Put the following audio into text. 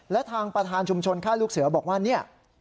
และทางประธานชุมชนค่าลูกเสือบอกว่าเนี่ย